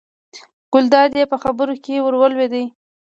ګلداد یې په خبرو کې ور ولوېد.